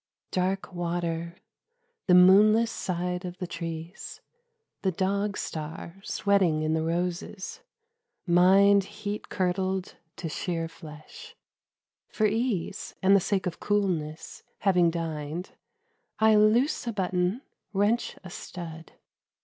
DARK water : the moonless side of the trees ; The Dog Star sweating in the roses: mind Heat curdled to sheer flesh. For ease And the sake of coolness, having dined, I loose a button, wrench a stud.